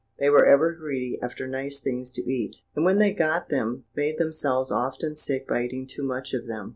They were ever greedy after nice things to eat, and when they got them, made themselves often sick by eating too much of them.